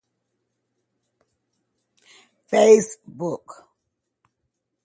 Thirlwell appeared with them as backing vocalist.